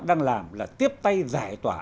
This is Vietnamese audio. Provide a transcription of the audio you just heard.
đang làm là tiếp tay giải tỏa